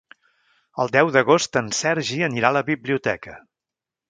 El deu d'agost en Sergi anirà a la biblioteca.